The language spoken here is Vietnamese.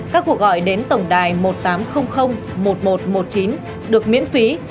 các cuộc gọi đến tổng đài một nghìn tám trăm linh một nghìn một trăm một mươi chín được miễn phí